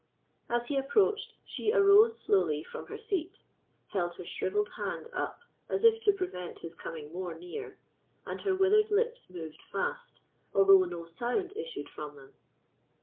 As he approached, she arose slowly from her seat, held her shrivelled hand up as if to prevent his coming more near, and her withered lips moved fast, although no sound issued from them.